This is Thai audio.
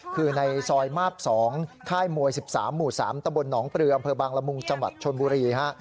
คือในซอยมาบ๒ค่ายมวย๑๓หมู่๓ตะบลหนองปลืออำเภอบางละมุงจังหวัดชนบุรีฮะ